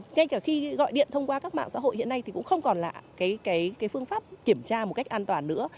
ngay cả khi gọi điện thông qua các mạng xã hội hiện nay thì cũng không còn là phương pháp kiểm tra một cách an toàn nữa